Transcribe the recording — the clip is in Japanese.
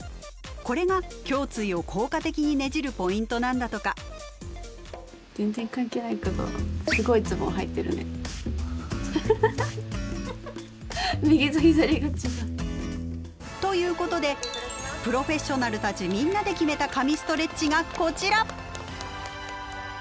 これが胸椎を効果的にねじるポイントなんだとか。ということでプロフェッショナルたちみんなで決めた「神ストレッチ」がこちら！